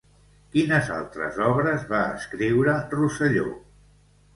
Quines altres obres va escriure Rosselló?